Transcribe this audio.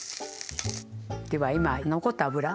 では今残った脂。